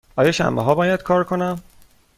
آیا شنبه ها باید کار کنم؟